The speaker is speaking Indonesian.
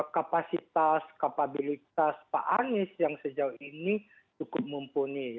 kapasitas kapabilitas pak anies yang sejauh ini cukup mumpuni